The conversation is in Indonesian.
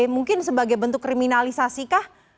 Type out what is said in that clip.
mungkin sebagai bentuk kriminalisasi kah